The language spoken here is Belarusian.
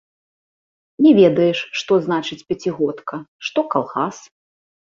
Не ведаеш, што значыць пяцігодка, што калгас?